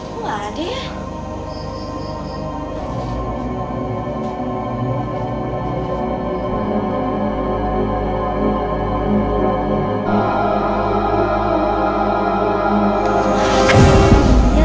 kok nggak ada ya